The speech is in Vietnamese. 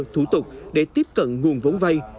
thủ tục để tiếp cận nguồn vốn vai